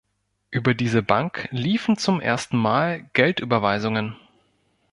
Über diese Bank liefen zum ersten Mal Geldüberweisungen.